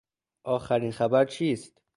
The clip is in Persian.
آخرین خبر چیست؟